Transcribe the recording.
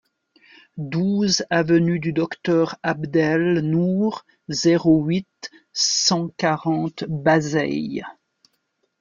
douze avenue du Docteur Abd El Nour, zéro huit, cent quarante, Bazeilles